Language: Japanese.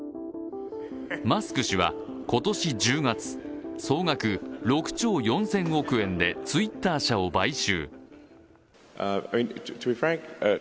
マスク氏は今年１０月、総額６兆４０００億円でＴｗｉｔｔｅｒ社を買収。